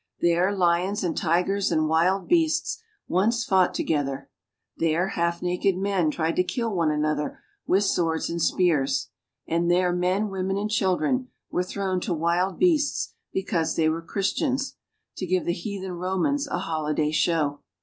There lions and tigefs and wild beasts once fought together; there half naked men tried to. kill one another with swords and spears ; and there men, women, and children were thrown to wild beasts because they were Christians, to give the heathen Romans a holi day show.